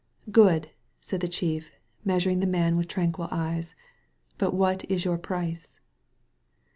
'' ''Good/' said the Chief, measuring the man with tranquil eyes» ''but what is your price?"